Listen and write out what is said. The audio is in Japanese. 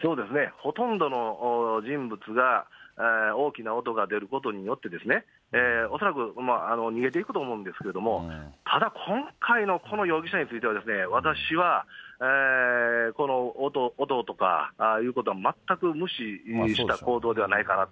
ほとんどの人物が、大きな音が出ることによって、恐らく逃げていくと思うんですけども、ただ今回のこの容疑者については、私は、この音とかいうことは、全く無視した行動ではないかなと。